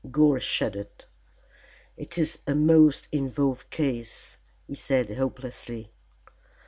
Gore shuddered. "It is a most involved case," he said hopelessly.